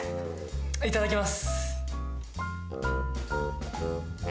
いただきます！